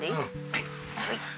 はい。